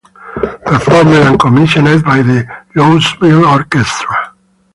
Performed and commissioned by The Louisville Orchestra.